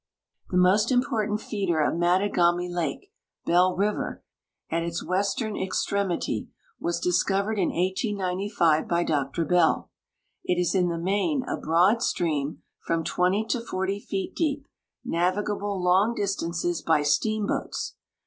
The most important feeder of Mattagami lake. Bell river, at its western ex tremity, was discovered in bSi).: by Dr Bell. It is in the main a broad stream, from 20 to 40 feet deep, navigable long distances by steamboats.